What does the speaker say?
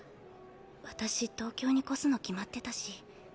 私東京に越すの決まってたし。